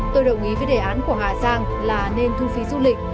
tôi đồng ý với đề án của hà giang là nên thu phí du lịch